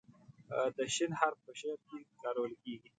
د "ش" حرف په شعر کې کارول کیږي.